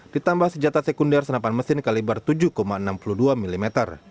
ditambah senjata sekunder senapan mesin kaliber tujuh enam puluh dua mm